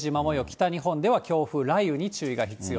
北日本では強風、雷雨に注意が必要。